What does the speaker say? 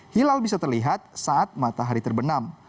hilal bisa terlihat saat matahari terbenam